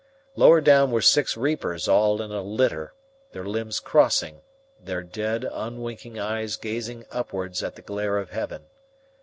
Lower down were six reapers all in a litter, their limbs crossing, their dead, unwinking eyes gazing upwards at the glare of heaven.